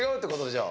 じゃあ。